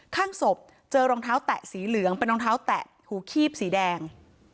ข้างศพเจอรองเท้าแตะสีเหลืองเป็นรองเท้าแตะหูคีบสีแดง